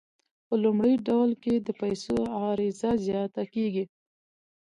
په لومړي ډول کې د پیسو عرضه زیاته کیږي.